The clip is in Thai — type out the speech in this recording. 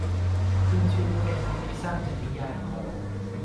ขึ้นชื่อว่าเป็นหนังที่สร้างจากนิยายของ